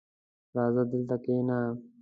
راځه دلته کښېنه!